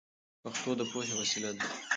پښتو د پوهې وسیله ده.